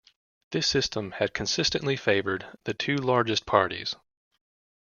This system had consistently favoured the two largest parties.